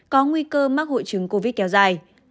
có nguy cơ mắc hội chứng covid kéo dài